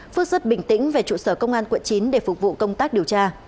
phước rất bình tĩnh về trụ sở công an quận chín để phục vụ công tác điều tra